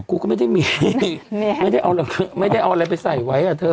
กูก็ไม่ได้มีไม่ได้เอาไม่ได้เอาอะไรไปใส่ไว้อ่ะเธอ